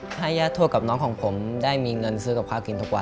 ถ้าย่าทวดกับน้องของผมได้มีเงินซื้อกับข้าวกินทุกวัน